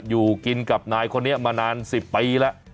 อยู่กินกับนายคนนี้มานาน๑๐ปีแล้ว